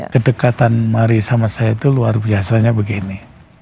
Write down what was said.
kedekatan mari sama saya itu luar biasanya begini